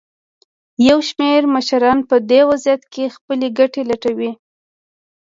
یو شمېر مشران په دې وضعیت کې خپلې ګټې لټوي.